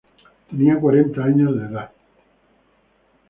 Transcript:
Tenía cuarenta años de edad.